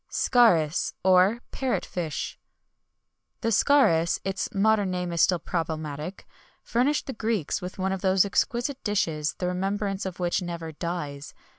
[XXI 88] SCARUS, OR, PARROT FISH. The scarus its modern name is still problematic furnished the Greeks with one of those exquisite dishes the remembrance of which never dies.